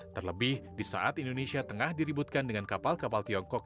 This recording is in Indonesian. terlebih di saat indonesia tengah diributkan dengan kapal kapal tiongkok